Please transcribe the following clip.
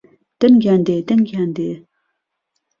دەنگیان دێ دەنگیان دێ